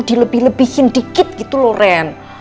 dilebih lebihin dikit gitu loh ren